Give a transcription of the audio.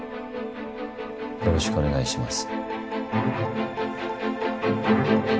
よろしくお願いします。